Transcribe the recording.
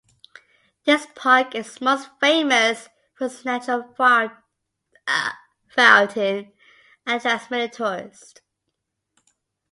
This park is most famous for its natural fountain and attracts many tourists.